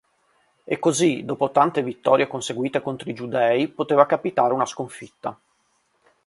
E così dopo tante vittorie conseguite contro i Giudei, poteva capitare una sconfitta.